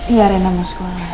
iya rena mau sekolah